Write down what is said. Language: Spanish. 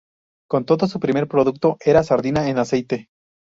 Con todo, su primer producto era la sardina en aceite.